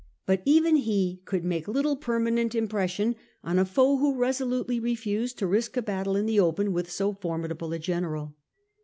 But even he could make little permanent impression on a foe who resolutely refused to risk a battle in the open with so formidable a general.